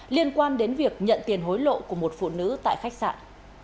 liên quan đến việc nhận tiền hối lộ của một phụ nữ tại khách sạn